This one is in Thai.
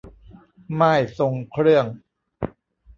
ม่ายทรงเครื่อง